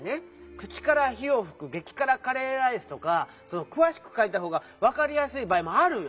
「口から火をふくげきからカレーライス」とかくわしくかいたほうがわかりやすいばあいもあるよ！